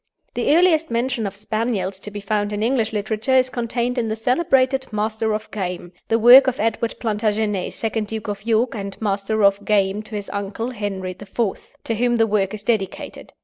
The earliest mention of Spaniels to be found in English literature is contained in the celebrated "Master of Game," the work of Edward Plantagenet, second Duke of York, and Master of Game to his uncle, Henry IV., to whom the work is dedicated.